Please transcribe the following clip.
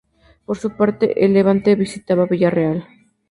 Por su parte el Levante visitaba Villarreal.